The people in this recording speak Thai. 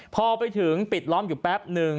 พอไปถึงปิดล้อมอยู่แป๊บนึง